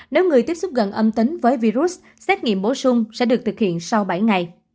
nếu người tiếp xúc gần âm tính với virus xét nghiệm bổ sung sẽ được thực hiện sau bảy ngày